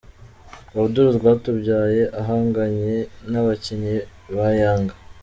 Abdul Rwatubyaye ahanganye n’abakinnyi ba Yanga.